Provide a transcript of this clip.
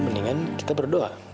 mendingan kita berdoa